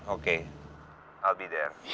oke aku akan datang